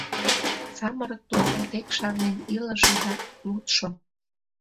Самырык тукым тек шарнен илыже да лудшо...